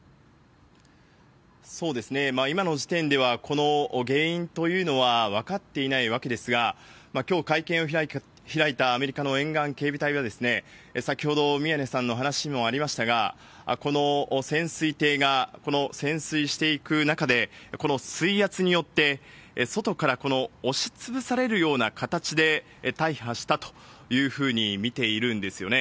今の時点では、この原因というのは、分かっていないわけですが、きょう、会見を開いたアメリカの沿岸警備隊が先ほど、宮根さんの話にもありましたが、この潜水艇がこの潜水していく中で、この水圧によって、外から押しつぶされるような形で大破したというふうに見ているんですよね。